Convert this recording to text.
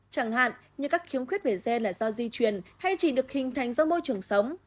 chẳng hạn như các khiếm khuyết về gen là do di truyền hay chỉ được hình thành do môi trường sống